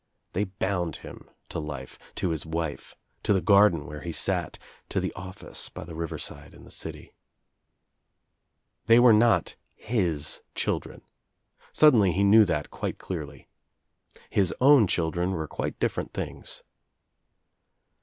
They bound him to life, to his wife, to the garden where he sat, to the oiEce by the riTO side in the city. They were not his children. Suddenly he knew that quite clearly. His own children were quite different things.